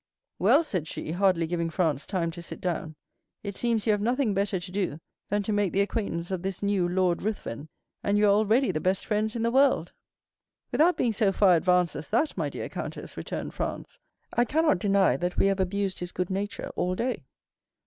"Well," said she, hardly giving Franz time to sit down, "it seems you have nothing better to do than to make the acquaintance of this new Lord Ruthven, and you are already the best friends in the world." "Without being so far advanced as that, my dear countess," returned Franz, "I cannot deny that we have abused his good nature all day."